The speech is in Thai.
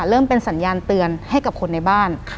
เริ่มเป็นสัญญาณเตือนให้กับคนในบ้าน